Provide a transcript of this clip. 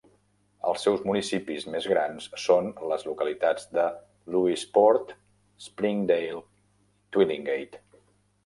Els seus municipis més grans són les localitats de Lewisporte, Springdale i Twillingate.